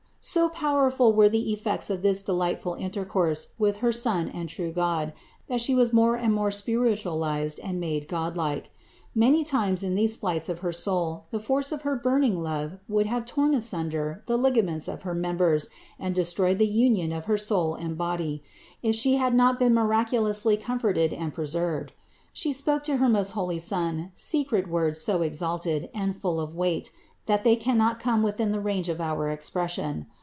547. So powerful were the effects of this delightful intercourse with her Son and true God, that She was more and more spiritualized and made Godlike. Many times in these flights of her soul the force of her burning love would have torn asunder the ligaments of her mem bers and destroyed the union of her soul and body, if She had not been miraculously comforted and preserved. She spoke to her most holy Son secret words so exalted and full of weight that they cannot come within the range of our expression.